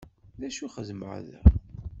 D acu xeddmeɣ da?